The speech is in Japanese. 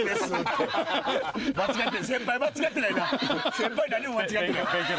先輩何も間違ってない。